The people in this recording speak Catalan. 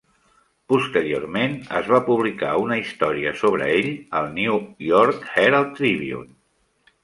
Posteriorment, es va publicar una història sobre ell al "New York Herald-Tribune".